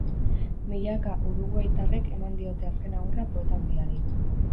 Milaka uruguaitarrek eman diote azken agurra poeta handiari.